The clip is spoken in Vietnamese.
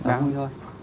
đá vui thôi